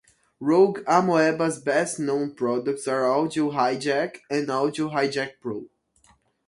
Rogue Amoeba's best-known products are Audio Hijack and Audio Hijack Pro.